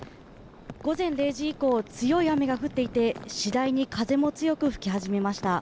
午前０時以降強い雨が降っていて次第に風も強く吹き始めました。